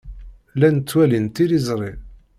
Llan ttwalin tiliẓri.